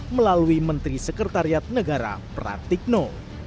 melalui menteri sekretariat negara pratikno